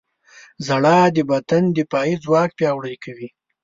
• ژړا د بدن دفاعي ځواک پیاوړی کوي.